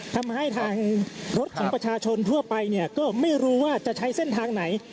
ทำให้ทางรถของประชาชนทั่วไปเนี่ยก็ไม่รู้ว่าจะใช้เส้นทางไหน